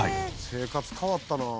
生活変わったな。